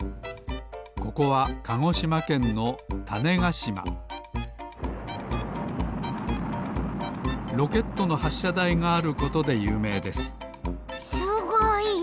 ここはかごしまけんの種子島ロケットのはっしゃだいがあることでゆうめいですすごい！